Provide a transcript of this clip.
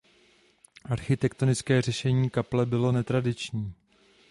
Architektonické řešení kaple bylo netradiční.